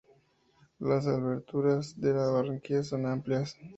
Las aberturas de las branquias son amplias.